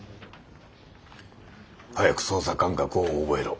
早く操作感覚を覚えろ。